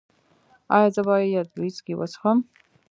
ایا زه باید ویسکي وڅښم؟